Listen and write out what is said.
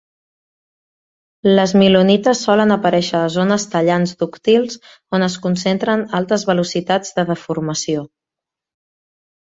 Les milonites solen aparèixer a zones tallants dúctils on es concentren altes velocitats de deformació.